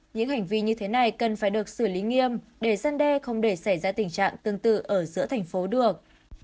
những hành vi như thế này cần phải được xử lý nghiêm để gian đe không để xảy ra tình trạng tương tự ở giữa thành phố được